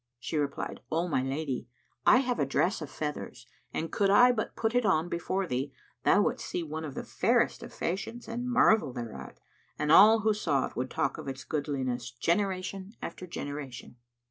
She replied, "O my lady, I have a dress of feathers, and could I but put it on before thee, thou wouldst see one of the fairest of fashions and marvel thereat, and all who saw it would talk of its goodliness, generation after generation."